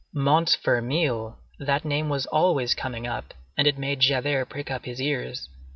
Montfermeil! that name was always coming up, and it made Javert prick up his ears.